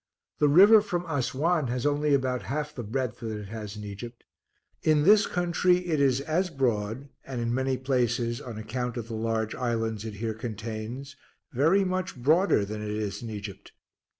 The river from Assuan has only about half the breadth that it has in Egypt. In this country it is as broad, and in many places, on account of the large islands it here contains, very much broader than it is in Egypt.